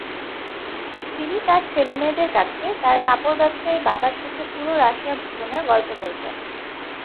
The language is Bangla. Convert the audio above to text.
তিনি তার ছেলেমেয়েদের কাছে তার কাপড়-ব্যবসায়ী বাবার সাথে পুরো রাশিয়া ভ্রমণের গল্প বলতেন।